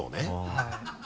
はい。